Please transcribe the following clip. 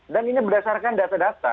dan ini berdasarkan data data